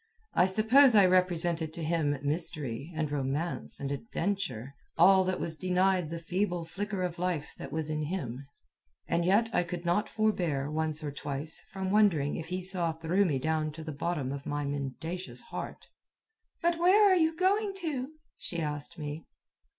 I suppose I represented to him mystery, and romance, and adventure all that was denied the feeble flicker of life that was in him. And yet I could not forbear, once or twice, from wondering if he saw through me down to the bottom of my mendacious heart. "But where are you going to?" she asked me.